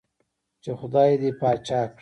چې خدائے دې باچا کړه ـ